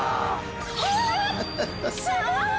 えっ⁉すごい！